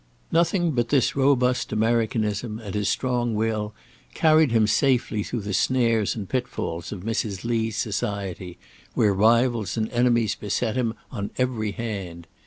Nothing but this robust Americanism and his strong will carried him safely through the snares and pitfalls of Mrs. Lee's society, where rivals and enemies beset him on every hand.